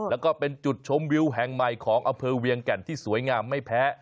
แล้วก็เป็นจุดชมวิวแห่งใหม่ของอำเภอเวียงแก่นที่สวยงามไม่แพ้